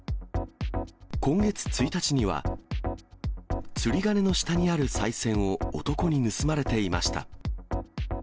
今月１日には、釣り鐘の下にあるさい銭を男に盗まれていました。